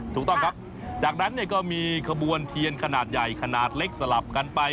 ถูกต้องครับจากนั้นก็มีขบวนเทียนขนาดใหญ่ขนาดเล็กสลับกันไป